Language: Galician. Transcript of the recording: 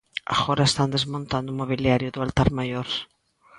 Agora están desmontando o mobiliario do altar maior.